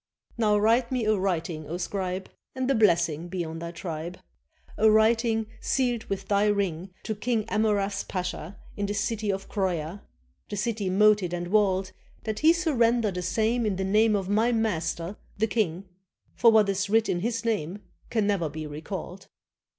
/'Now write me a writing, O scribe, And a blessing be on thy tribe ! A writing sealed with thy ring, To King Amurath's pasha In the city of Croia, The city moated and walled, That he surrender the same In the name of my master, the king; For what is writ in his name Can never be recalled."